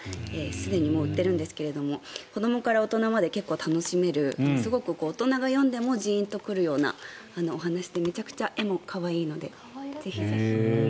すでにもう売っているんですが子どもから大人まで結構楽しめるすごく大人が読んでもジーンと来るようなお話でめちゃくちゃ絵も可愛いのでぜひぜひ。